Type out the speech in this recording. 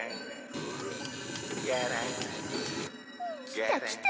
・来た来た。